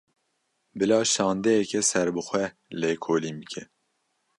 Bila şandeyeke serbixwe lêkolîn bike